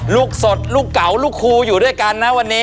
ลูกสดลูกเก่าลูกครูอยู่ด้วยกันนะวันนี้